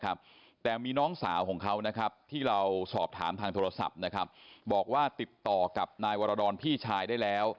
อาลมช่อวูบเขาอะไรอย่างนี้เขาบอกว่าเขาโมโหนะ